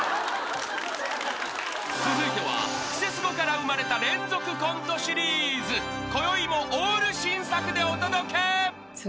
［続いては『クセスゴ』から生まれた連続コントシリーズ］［こよいもオール新作でお届け］